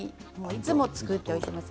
いつも作っておきます。